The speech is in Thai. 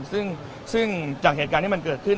ซึ่งจากเหตุการณ์ที่มันเกิดขึ้น